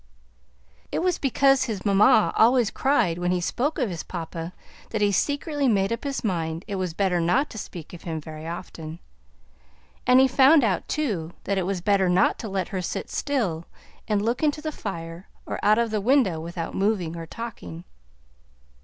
It was because his mamma always cried when he spoke of his papa that he secretly made up his mind it was better not to speak of him very often to her, and he found out, too, that it was better not to let her sit still and look into the fire or out of the window without moving or talking.